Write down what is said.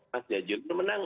mas jazilul menang